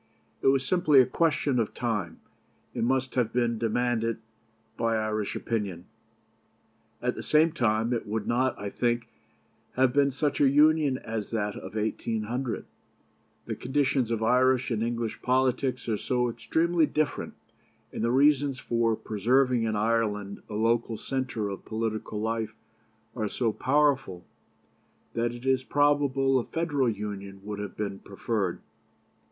It was simply a question of time, and must have been demanded by Irish opinion. At the same time, it would not, I think, have been such a Union as that of 1800. The conditions of Irish and English politics are so extremely different, and the reasons for preserving in Ireland a local centre of political life are so powerful, that it is probable a Federal Union would have been preferred.